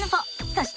そして。